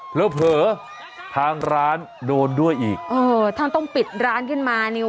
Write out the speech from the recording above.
เพื่อเผอะทางร้านโดนด้วยอีกเอ่อถ้าต้องปิดร้านขึ้นมาเนี่ย